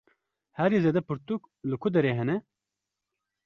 Herî zêde pirtûk li ku derê hene?